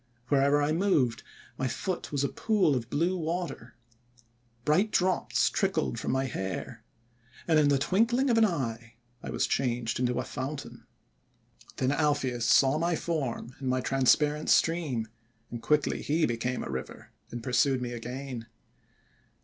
Wherever I moved my foot was a pool of blue water. Bright drops trickled from my hair. And in the twinkling of an eye I was changed into a fountain. 'Then Alpheus saw my form in my trans parent stream, and quickly he became a river, and pursued me again.